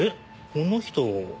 この人。